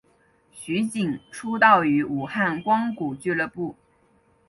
徐擎出道于武汉光谷俱乐部。